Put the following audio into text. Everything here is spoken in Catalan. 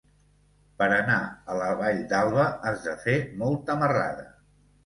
Per anar a la Vall d'Alba has de fer molta marrada.